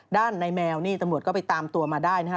ด้านในแมวนี่ตำรวจก็ไปตามตัวมาได้นะฮะ